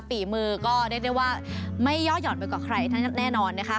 ฝีมือก็เรียกได้ว่าไม่ย่อหย่อนไปกว่าใครแน่นอนนะคะ